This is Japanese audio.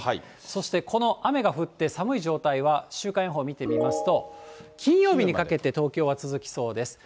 そしてこの雨が降って寒い状態は、週間予報見てみますと、金曜日にかけて、東京は続きそうです。